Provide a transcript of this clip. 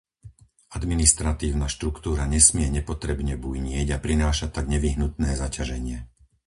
Administratívna štruktúra nesmie nepotrebne bujnieť a prinášať tak nevyhnutné zaťaženie.